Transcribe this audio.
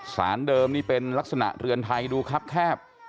สารเดิมนี่เป็นลักษณะเรือนไทยดูครับแคบ